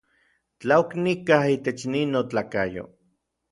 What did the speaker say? Tla ok nikaj itech inin notlakayo.